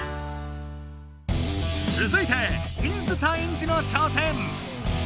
つづいて水田エンジの挑戦！